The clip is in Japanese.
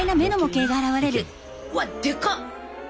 うわっ！でかっ！